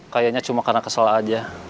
kayaknya cuma karena kesalahan aja